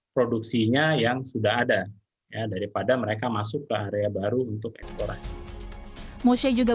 produksinya yang sudah ada daripada mereka masuk ke area baru untuk eksplorasi mosia juga